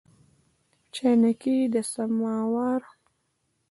چاینکي د سماوار